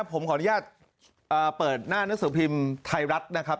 ผมขออนุญาตเปิดหน้านังสือพิมพ์ไทยรัฐนะครับ